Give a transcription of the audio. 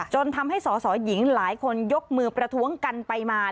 จนทำให้สอสอหญิงหลายคนยกมือประท้วงกันไปมา